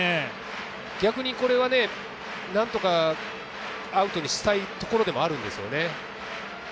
逆に、これは何とかアウトにしたいところでもあるんですよね。